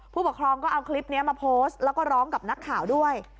ผู้ปกครองก็เอาคลิปนี้มาโพสต์แล้วก็ร้องกับนักข่าวด้วย